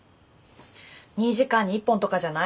２時間に１本とかじゃない？